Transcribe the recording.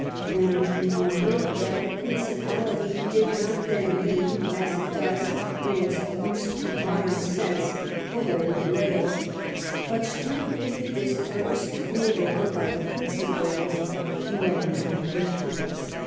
"VVe must remember that the Principality did not then mean, as it does in its loose modern use, the whole of Wales, but strictly the districts ruled over by the Prince of Wales, Llywelyn ab Gruffydd.